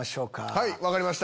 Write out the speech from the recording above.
はい分かりました。